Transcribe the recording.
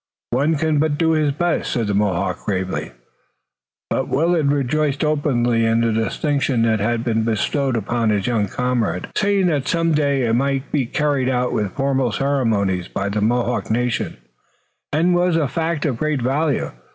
"One can but do his best," said the Mohawk gravely. But Willet rejoiced openly in the distinction that had been bestowed upon his young comrade, saying that some day it might be carried out with formal ceremonies by the Mohawk nation, and was a fact of great value.